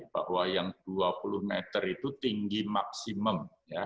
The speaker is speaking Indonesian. bahwa yang dua puluh meter itu tinggi maksimum